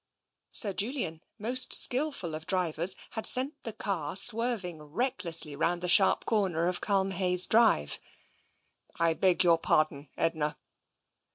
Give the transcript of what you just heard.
Sir Julian, most skilful of drivers, had sent the car TENSION 239 swerving recklessly round the sharp comer of Culm hayes drive. " I beg your pardon, Edna."